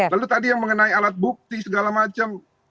lalu tadi yang mengenai alat bukti segala macam